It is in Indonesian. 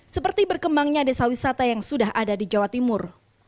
seperti berkembangnya desa wisata yang sudah ada di jawa timur